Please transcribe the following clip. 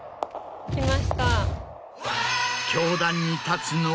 来ました。